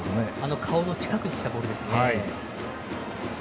顔の近くにきたボールですね。